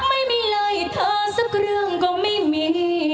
ไม่มีเลยเธอสักเรื่องก็ไม่มี